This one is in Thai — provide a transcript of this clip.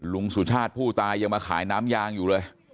สุชาติผู้ตายยังมาขายน้ำยางอยู่เลย